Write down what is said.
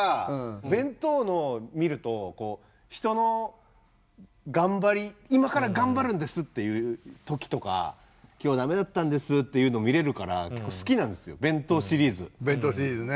弁当のを見ると人の頑張り今から頑張るんですっていう時とか今日駄目だったんですっていうのを見れるから結構好きなんですよ弁当シリーズ。弁当シリーズね。